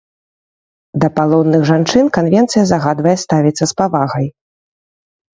Да палонных жанчын канвенцыя загадвае ставіцца з павагай.